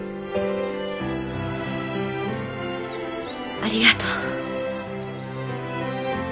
ありがとう。